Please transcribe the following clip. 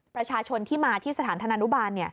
ประชาชนที่มาที่สถานธนานุบาล